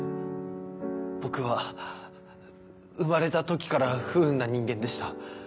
僕は生まれた時から不運な人間でした。